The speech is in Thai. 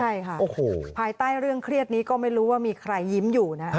ใช่ค่ะภายใต้เรื่องเครียดนี้ก็ไม่รู้ว่ามีใครยิ้มอยู่นะ